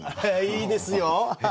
いいですよ！